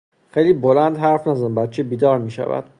خیلی بلند حرف نزن بچه بیدار میشود.